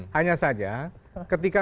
hanya saja ketika